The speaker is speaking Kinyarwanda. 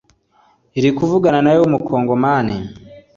irikuvugana nawe w’umu kongomani